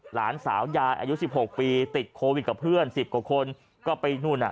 หลานสาวยายอายุสิบหกปีติดโควิดกับเพื่อนสิบกว่าคนก็ไปนู่นอ่ะ